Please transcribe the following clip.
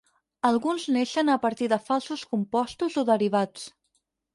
Alguns neixen a partir de falsos compostos o derivats.